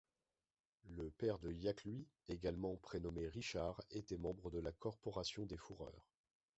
Le père de Hakluyt, également prénommé Richard, était membre de la Corporation des Foureurs.